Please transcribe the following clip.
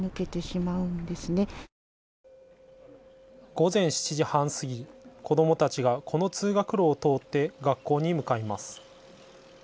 午前７時半過ぎ、子どもたちがこの通学路を通って学校に向かいます。